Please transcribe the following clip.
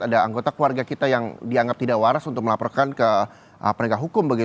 ada anggota keluarga kita yang dianggap tidak waras untuk melaporkan ke penegak hukum